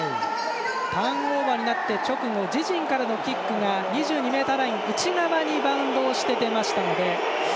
ターンオーバーになった直後自陣からのキックが２２ｍライン内側にバウンドして出ましたので。